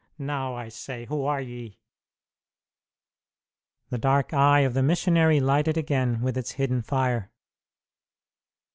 Now, I say, who are ye?" The dark eye of the missionary lighted again with its hidden fire.